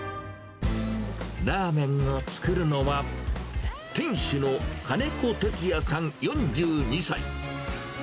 ラーメンを作るのは、店主の金子哲也さん４２歳。